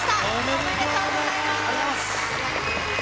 ありがとうございます。